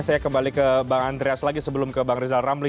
saya kembali ke bang andreas lagi sebelum ke bang rizal ramli